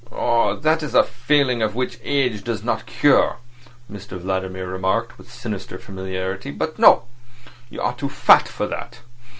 "Oh! That's a failing which age does not cure," Mr Vladimir remarked, with sinister familiarity. "But no! You are too fat for that.